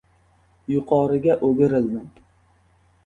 Yuqoriga o‘girildim.